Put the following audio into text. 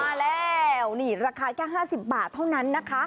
มาแล้วนี่ราคาแค่๕๐บาทเท่านั้นนะคะ